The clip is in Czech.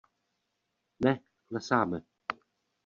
Ne, klesáme!